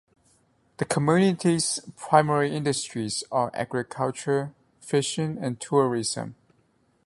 The community's primary industries are agriculture, fishing and tourism.